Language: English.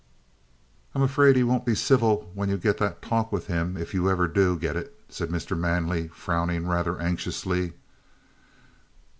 "I'm afraid he won't be civil when you get that talk with him if ever you do get it," said Mr. Manley, frowning rather anxiously.